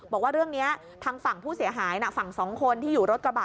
บอกว่าเรื่องนี้ทางฝั่งผู้เสียหายฝั่งสองคนที่อยู่รถกระบะ